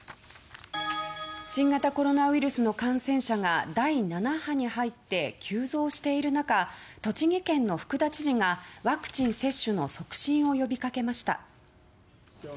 新型コロナウイルスの感染者が第７波に入って急増している中栃木県の福田知事がワクチン接種の促進を呼びかけました。